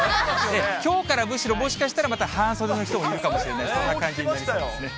きょうからむしろ、もしかしたら、また半袖の人もいるかもしれない、そんな感じになりそうですね。